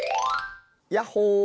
ヤッホー！